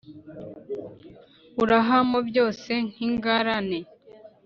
urahamo byose nk’ingarane